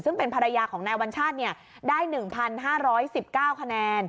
ซึ่งเป็นภรรยาของนายวัญชาติได้๑๕๑๙คะแนน